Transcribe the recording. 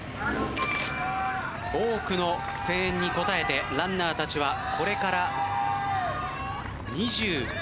多くの声援に応えてランナーたちはこれから２１ｋｍを迎えます。